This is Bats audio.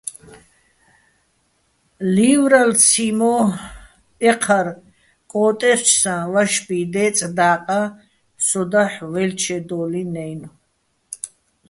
ლივრალო̆ ციმო: ეჴარ კო́ტერჩსაჼ ვაშბი დეწ და́ყაჼ სო დაჰ̦ ვაჲლჩედო́ლიჼ-ნაჲნო̆.